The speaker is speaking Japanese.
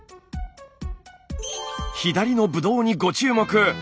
左のブドウにご注目。